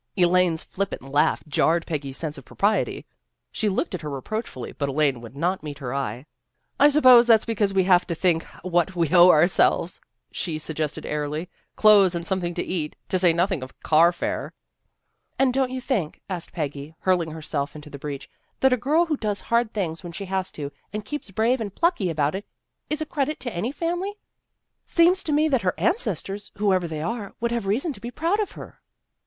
Elaine's flippant laugh jarred Peggy's sense of propriety. She looked at her reproachfully, but Elaine would not meet her eye. " I suppose that's because we have to think what we owe ourselves," she suggested airily. " Clothes and something to eat, to say nothing of carfare," ELAINE UPSETS TRADITION 279 " And don't you think," asked Peggy, hurl ing herself into the breach, " that a girl who does hard things when she has to, and keeps brave and plucky about it, is a credit to any family? Seems to me that her ancestors, whoever they were, would have reason to be proud of her."